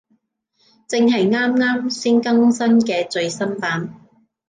正係啱啱先更新嘅最新版